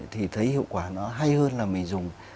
thì thấy hiệu quả nó hay hơn là mình dùng